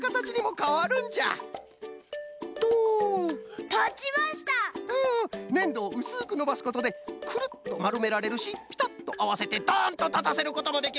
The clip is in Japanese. ふんふんねんどをうすくのばすことでクルッとまるめられるしピタッとあわせてドンとたたせることもできる！